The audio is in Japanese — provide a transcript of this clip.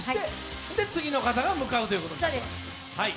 で、次の方が向かうということですね。